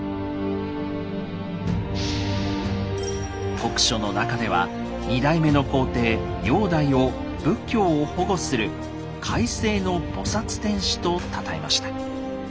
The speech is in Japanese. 国書の中では２代目の皇帝煬帝を仏教を保護する「海西の菩天子」とたたえました。